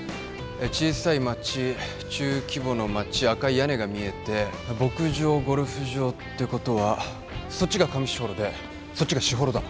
小さい町中規模の町赤い屋根が見えて牧場ゴルフ場ってことはそっちが上士幌でそっちが士幌だ。